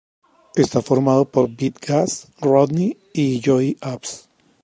Está formado por Pete Gas, Rodney y Joey Abs.